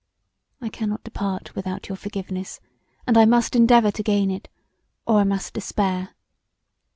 I cannot depart without your forgiveness and I must endeavour to gain it, or I must despair.